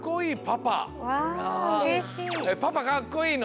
パパかっこいいの？